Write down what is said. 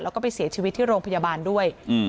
แล้วก็ไปเสียชีวิตที่โรงพยาบาลด้วย